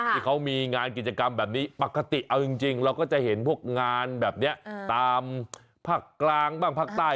ที่เขามีงานกิจกรรมแบบนี้ปกติเอาจริงเราก็จะเห็นพวกงานแบบนี้ตามภาคกลางบ้างภาคใต้